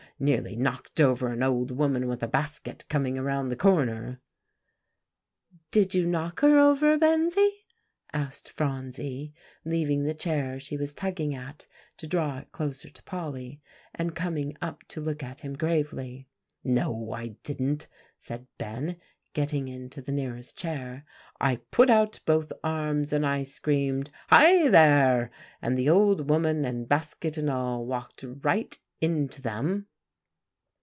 Nearly knocked over an old woman with a basket coming around the corner." "Did you knock her over, Bensie?" asked Phronsie, leaving the chair she was tugging at to draw it closer to Polly, and coming up to look at him gravely. "No, I didn't," said Ben, getting into the nearest chair. "I put out both arms, and I screamed, 'Hi, there!' and the old woman and basket and all walked right into them."